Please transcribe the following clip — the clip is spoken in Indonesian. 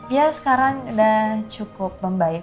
ya sekarang sudah cukup membaik